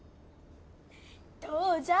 どうじゃ？